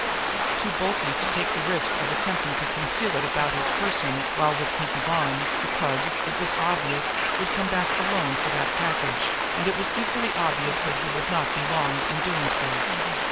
Too bulky to take the risk of attempting to conceal it about his person while with Pinkie Bonn, the Pug, it was obvious, would come back alone for that package, and it was equally obvious that he would not be long in doing so.